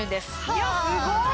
いやすごい。